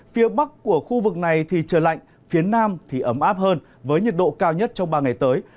phía bắc của khu vực này thì trời lạnh phía nam thì ấm áp hơn với nhiệt độ cao nhất trong ba ngày tới